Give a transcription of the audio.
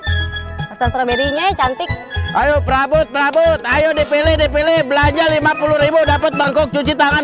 strawberry nya cantik ayo perabot perabot ayo dpl dpl belanja rp lima puluh dapat bangkok cuci tangan